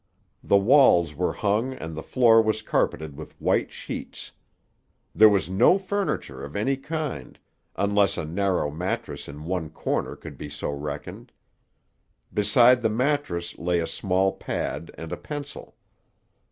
The walls were hung and the floor was carpeted with white sheets. There was no furniture of any kind, unless a narrow mattress in one corner could be so reckoned. Beside the mattress lay a small pad and a pencil.